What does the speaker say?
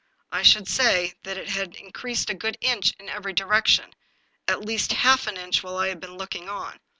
I should say that it had increased a good inch in every direction, at least half an inch while I had been looking on.